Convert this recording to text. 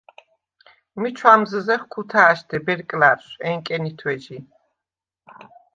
მი ჩუ̂ამზჷზეხ ქუთა̄̈შთე ბერკლა̈რშუ̂ ეკენითუ̂ეჟი.